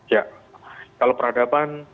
ya kalau peradaban